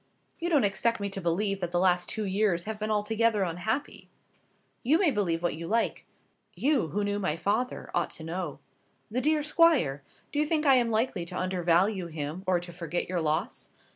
"You don't expect me to believe that the last two years have been altogether unhappy." "You may believe what you like. You who knew my father, ought to know " "The dear Squire! do you think I am likely to undervalue him, or to forget your loss?